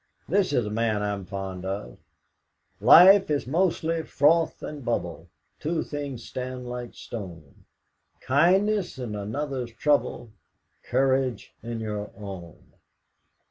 "This is a man I'm fond of: "'Life is mostly froth and bubble; Two things stand like stone KINDNESS in another's trouble, COURAGE in your own.'